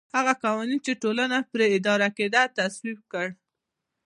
هغه قوانین چې ټولنه پرې اداره کېده تصویب کړل